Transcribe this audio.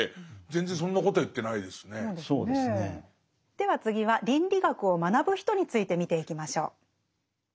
では次は倫理学を学ぶ人について見ていきましょう。